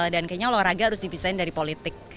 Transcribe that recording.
dan kayaknya olahraga harus dipisahin dari politik